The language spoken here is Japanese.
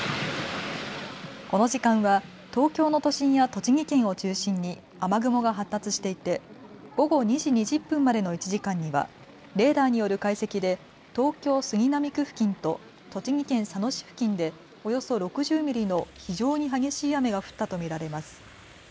この時間は東京の都心や栃木県を中心に雨雲が発達していて午後２時２０分までの１時間にはレーダーによる解析で東京杉並区付近と栃木県佐野市付近でおよそ６０ミリの非常に激しい雨が降ったと見られます。